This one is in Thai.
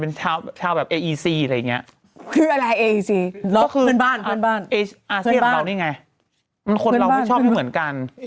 คนเราไม่ชอบเหมือนกัน